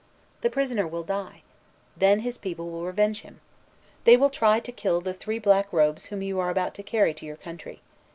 The prisoner will die. Then his people will revenge him. They will try to kill the three black robes whom you are about to carry to your country.